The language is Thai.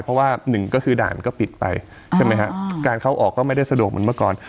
เพราะว่าหนึ่งก็คือด่านก็ปิดไปใช่ไหมฮะการเข้าออกก็ไม่ได้สะดวกเหมือนเมื่อก่อน